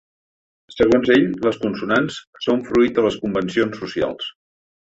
Segons ell, les consonants són fruit de les convencions socials.